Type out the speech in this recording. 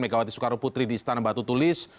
megawati soekaroputri di istana batu tulis